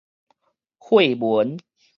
廢文